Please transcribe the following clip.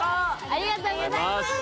ありがとうございます！